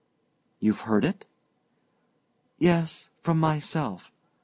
"You've heard it?" "Yes from myself.